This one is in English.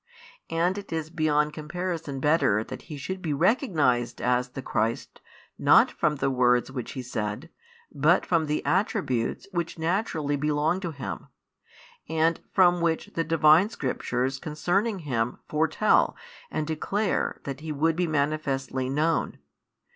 And it is beyond comparison better that He should be recognised as the Christ, not from the words which He said, but from the attributes which naturally belong to Him, and from which the Divine Scriptures concerning Him foretell and declare that He would be manifestly known.